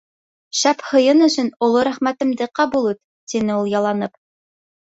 — Шәп һыйың өсөн оло рәхмәтемде ҡабул ит, — тине ул, яланып.